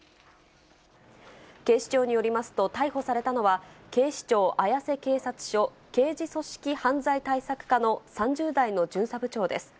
警視庁によりますと、逮捕されたのは、警視庁綾瀬警察署刑事組織犯罪対策課の３０代の巡査部長です。